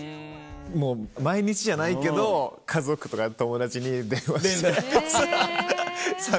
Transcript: もう毎日じゃないけど家族とか友達に電話して寂しくて。